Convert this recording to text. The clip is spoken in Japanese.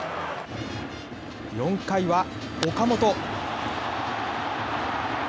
４回は岡本。